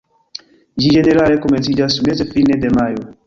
Ĝi ĝenerale komenciĝas meze-fine de majo.